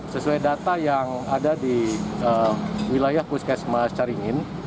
sesuai data yang ada di wilayah puskesmas caringin